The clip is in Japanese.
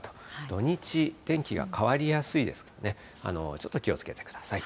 土日、天気が変わりやすいですからね、ちょっと気をつけてください。